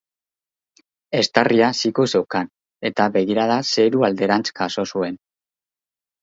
Eztarria siku zeukan eta begirada zeru alderantz jaso zuen.